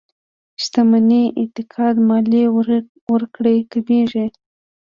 شتمنۍ اتکا ماليې ورکړې کمېږي.